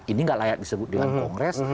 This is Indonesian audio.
ini nggak layak disebut dengan kongres